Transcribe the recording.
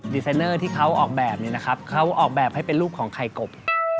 ไซเนอร์ที่เขาออกแบบนี้นะครับเขาออกแบบให้เป็นรูปของไข่กบ